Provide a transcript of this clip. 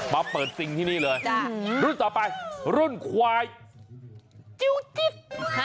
มาเปิดซิงที่นี่เลยรุ่นต่อไปรุ่นควายจิ้วจิก